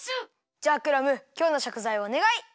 じゃあクラムきょうのしょくざいおねがい！